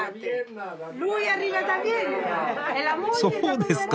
そうですか。